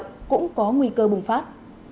các bác sĩ cũng có nguy cơ bùng phát